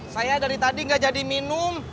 saya dari tadi nggak jadi minum